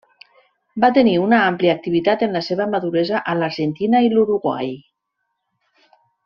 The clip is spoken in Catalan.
Va tenir una àmplia activitat en la seva maduresa a l'Argentina i l'Uruguai.